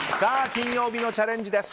金曜日のチャレンジです。